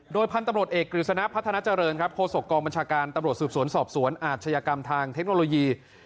พันธุ์ตำรวจเอกกฤษณะพัฒนาเจริญครับโฆษกองบัญชาการตำรวจสืบสวนสอบสวนอาชญากรรมทางเทคโนโลยี